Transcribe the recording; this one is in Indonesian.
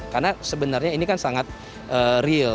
karena sebenarnya ini kan sangat real